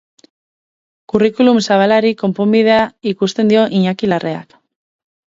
Curriculum zabalari konponbidea ikusten dio Iñaki Larreak.